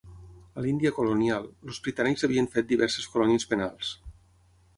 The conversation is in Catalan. A l'Índia colonial, els britànics havien fet diverses colònies penals.